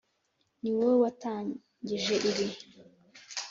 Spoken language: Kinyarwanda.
niwowe watangije ibi.